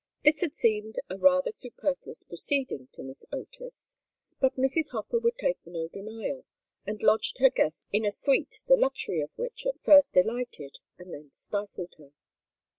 This had seemed a rather superfluous proceeding to Miss Otis, but Mrs. Hofer would take no denial, and lodged her guest in a suite the luxury of which at first delighted and then stifled her.